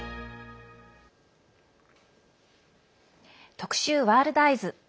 特集「ワールドＥＹＥＳ」。